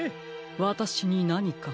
わたしになにか？